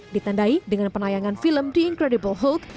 ditandai dengan penayangan film the incredible hold